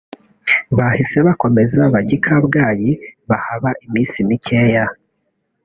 Bahise bakomeza bajya i Kabgayi bahaba iminsi mikeya